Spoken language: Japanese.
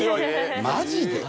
マジで？